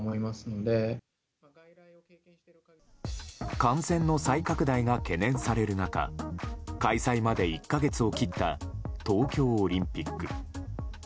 感染の再拡大が懸念される中開催まで１か月を切った東京オリンピック。